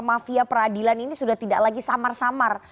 mafia peradilan ini sudah tidak lagi samar samar